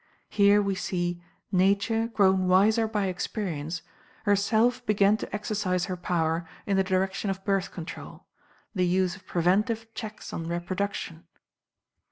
Here, we see, NATURE, GROWN WISER BY EXPERIENCE, HERSELF BEGAN TO EXERCISE HER POWER IN THE DIRECTION OF BIRTH CONTROL THE USE OF PREVENTIVE CHECKS ON REPRODUCTION.